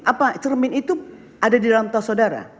apa cermin itu ada di dalam tas saudara